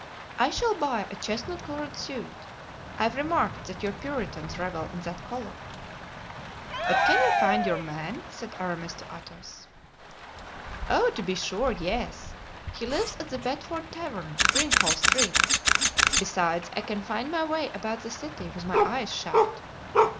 I shall buy a chestnut colored suit. I've remarked that your Puritans revel in that color." "But can you find your man?" said Aramis to Athos. "Oh! to be sure, yes. He lives at the Bedford Tavern, Greenhall Street. Besides, I can find my way about the city with my eyes shut."